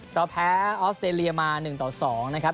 เราแพ้ออสเตรเลียมา๑ต่อ๒นะครับ